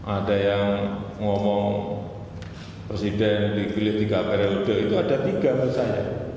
ada yang ngomong presiden dipilih tiga periode itu ada tiga menurut saya